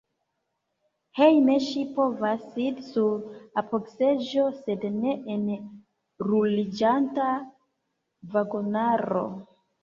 Hejme ŝi povas sidi sur apogseĝo, sed ne en ruliĝanta vagonaro.